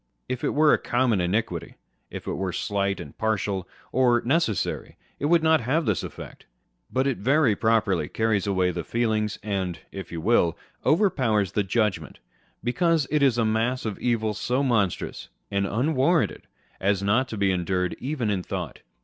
If it were a common iniquity, if it were slight and partial, or necessary, it would not have this effect ; but it very properly carries away the feelings, and (if you will) overpowers the judgment, because it is a mass of evil so monstrous and unwarranted as not to be endured even in thought.